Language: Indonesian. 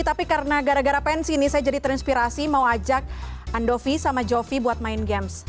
tapi karena gara gara pensi nih saya jadi terinspirasi mau ajak andovi sama jovi buat main games